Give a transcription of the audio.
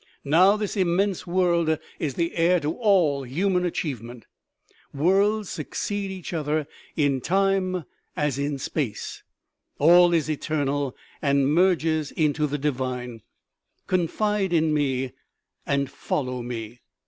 Now this immense world is the heir to all human achievement. Worlds succeed each other in time as in space. All is eternal, and merges into the divine. Confide in me, and follow me."